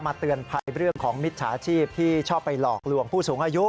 เตือนภัยเรื่องของมิจฉาชีพที่ชอบไปหลอกลวงผู้สูงอายุ